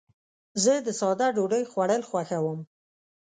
زه د ساده ډوډۍ خوړل خوښوم.